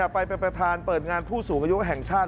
ไปเป็นผีเปิดงานผู้สูงอย่างยุคแห่งชาติ